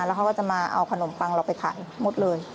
แล้วเขาก็จะมาเอาขนมปังเราไปขายหมดเลย